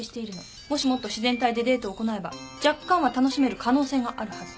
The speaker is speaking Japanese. もしもっと自然体でデートを行えば若干は楽しめる可能性があるはず。